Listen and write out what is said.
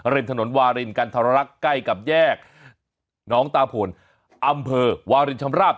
ริมถนนวารินกันทรรักษ์ใกล้กับแยกน้องตาผลอำเภอวารินชำราบ